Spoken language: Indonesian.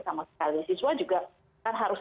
sama sekali siswa juga kan harus